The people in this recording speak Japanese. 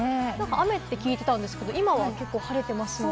雨って聞いてたんですけど、今は晴れてますね。